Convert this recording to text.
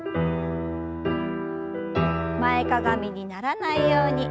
前かがみにならないように気を付けて。